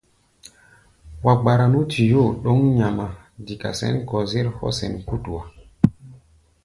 Wa gbara nú tuyóo ɗǒŋ ŋamá dika kɔ-zér hɔ́ sɛn kútua.